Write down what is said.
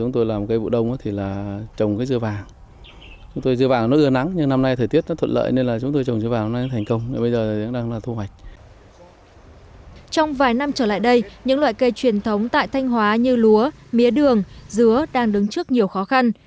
trong vài năm trở lại đây những loại cây truyền thống tại thanh hóa như lúa mía đường dứa đang đứng trước nhiều khó khăn